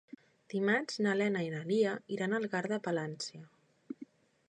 Dimarts na Lena i na Lia iran a Algar de Palància.